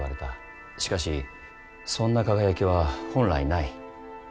しかしそんな輝きは本来ない。